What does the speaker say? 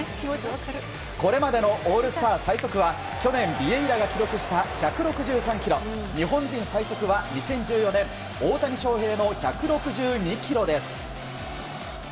これまでのオールスター最速は去年ビエイラが記録した１６３キロ、日本人最速は２０１４年、大谷翔平の１６２キロです。